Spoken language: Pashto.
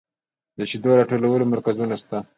د شیدو راټولولو مرکزونه شته